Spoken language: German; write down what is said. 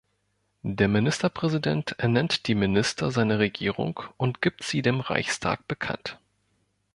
Der Ministerpräsident ernennt die Minister seiner Regierung und gibt sie dem Reichstag bekannt.